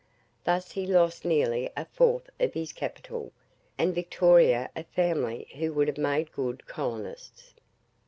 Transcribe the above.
Thus he lost nearly a fourth of his capital, and Victoria a family who would have made good colonists.